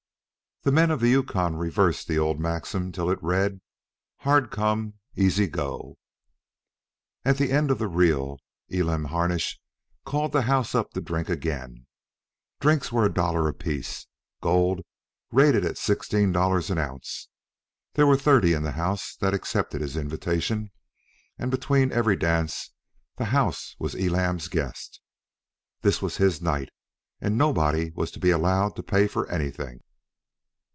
The men of the Yukon reversed the old maxim till it read: hard come, easy go. At the end of the reel, Elam Harnish called the house up to drink again. Drinks were a dollar apiece, gold rated at sixteen dollars an ounce; there were thirty in the house that accepted his invitation, and between every dance the house was Elam's guest. This was his night, and nobody was to be allowed to pay for anything.